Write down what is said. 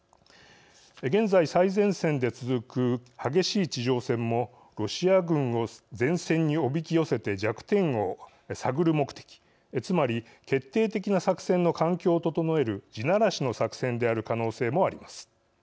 現在、最前線で続く激しい地上戦もロシア軍を前線におびき寄せて弱点を探る目的つまり決定的な作戦の環境を整える地ならしの作戦である可能性もあります。